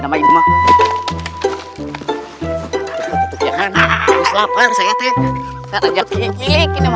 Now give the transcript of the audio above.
ibu ini adalah ibu